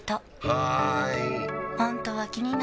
はーい！